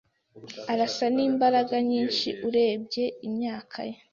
Arasa nimbaraga nyinshi, urebye imyaka ye.